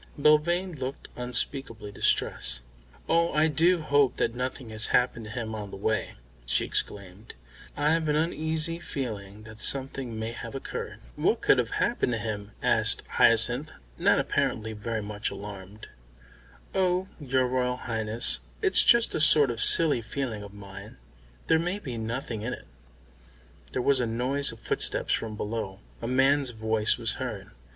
Belvane looked unspeakably distressed. "Oh, I do hope that nothing has happened to him on the way," she exclaimed. "I've an uneasy feeling that something may have occurred." [Illustration: Princess Hyacinth gave a shriek and faltered slowly backwards] "What could have happened to him?" asked Hyacinth, not apparently very much alarmed. "Oh, your Royal Highness, it's just a sort of silly feeling of mine. There may be nothing in it." There was a noise of footsteps from below; a man's voice was heard.